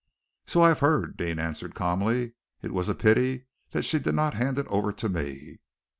"So I have heard," Deane answered calmly. "It was a pity that she did not hand it over to me."